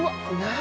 何？